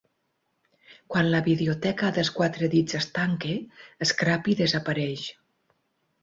Quan la Videoteca dels Quatre Dits es tanca, Scrappy desapareix.